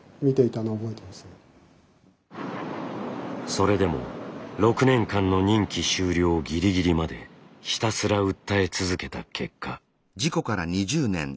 それでも６年間の任期終了ぎりぎりまでひたすら訴え続けた結果。